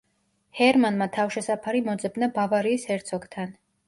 ჰერმანმა თავშესაფარი მოძებნა ბავარიის ჰერცოგთან.